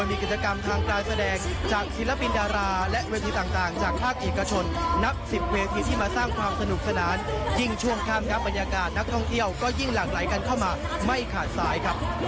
ไม่ขาดสายครับ